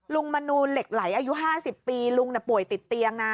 มนูเหล็กไหลอายุ๕๐ปีลุงป่วยติดเตียงนะ